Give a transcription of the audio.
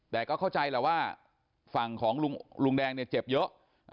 แต่ก็เข้าใจแหละว่าฝั่งของลุงแดงเนี่ยเจ็บเยอะ